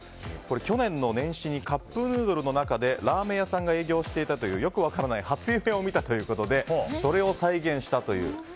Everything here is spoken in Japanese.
去年の年始にカップヌードルの中でラーメン屋さんが営業していたというよく分からない初夢を見たということでそれを再現したという。